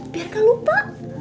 biar gak lupa